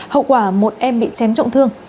hậu quả một em bị chém trộn thương